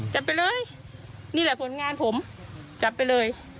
จับไปเลยนี่แหละผลงานผมจับไปเลย